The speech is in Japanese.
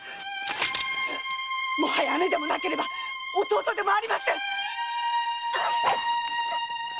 もはや姉でもなければ弟でもありません！